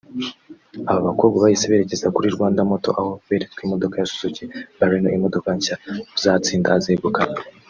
Aba bakobwa bahise berekeza kuri Rwanda Motor aho beretswe imodoka ya Suzuki Baleno imodoka nshya uzatsinda azegukana